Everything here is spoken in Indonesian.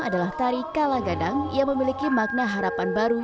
adalah tari kalagadang yang memiliki makna harapan baru